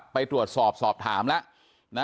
ไปตรวจสอบสอบถามแล้ว